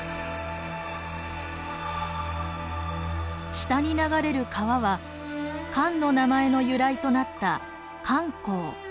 下に流れる川は漢の名前の由来となった漢江。